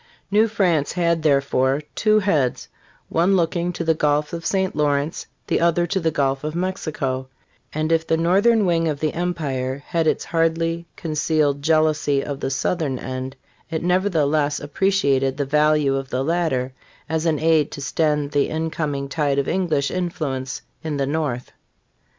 New France had, therefore, two heads: one looking to the Gulf of St. Lawrence, the other to the Gulf of Mexico; and if the northern wing of the empire hnd its hardly concealed jealousy of the southern end, it nevertheless appreciated the value of the latter as an aid to stem the incoming tide of English influ ence in the north.